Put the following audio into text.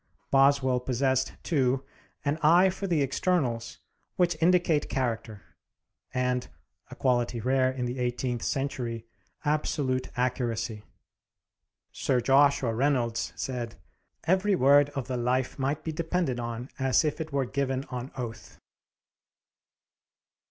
Boswell possessed too an eye for the externals which indicate character, and a quality rare in the eighteenth century absolute accuracy. Sir Joshua Reynolds said, "Every word of the 'Life' might be depended on as if it were given on oath."